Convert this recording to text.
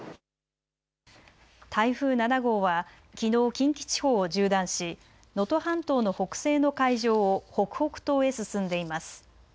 台風７号はきのう近畿地方を縦断し能登半島の北西の海上を北北東へ進んでいます。